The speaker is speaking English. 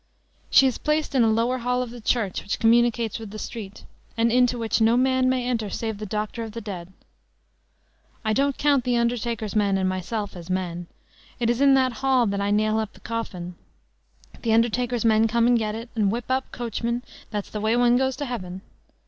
She is placed in a lower hall of the church which communicates with the street, and into which no man may enter save the doctor of the dead. I don't count the undertaker's men and myself as men. It is in that hall that I nail up the coffin. The undertaker's men come and get it, and whip up, coachman! that's the way one goes to heaven.